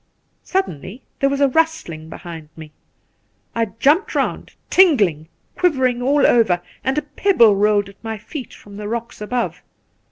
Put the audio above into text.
Suddenly there was a rustling behind me. I jumped round, tingling, quivering all over, and a pebble rolled at my feet from the rocks above.